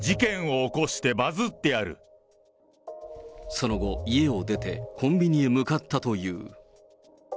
その後、家を出て、コンビニへ向かったという。